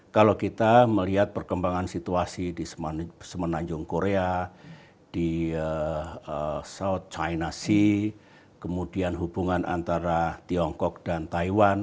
kalau kita melihat perkembangan situasi di semenanjung korea di china sea kemudian hubungan antara tiongkok dan taiwan